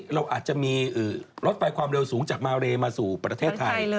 เราอาจจะมีรถไฟความเร็วสูงจากมาเลมาสู่ประเทศไทย